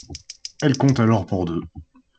Elle compte alors pour deux.